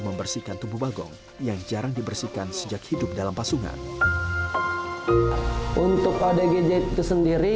membersihkan tubuh bagong yang jarang dibersihkan sejak hidup dalam pasungan untuk odgj itu sendiri